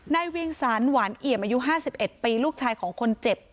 ในเวียงสานหวานเอียมอายุห้าสิบเอ็ดปีลูกชายของคนเจ็บ